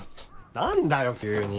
何だよ急に。